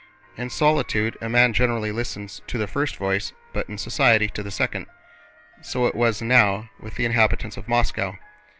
In solitude a man generally listens to the first voice, but in society to the second. So it was now with the inhabitants of Moscow.